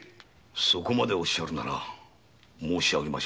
そこまでおっしゃるなら申し上げましょう。